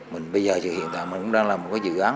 mình bây giờ hiện tại mình cũng đang làm một cái dự án